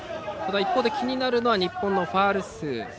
一方で気になるのは日本のファウル数。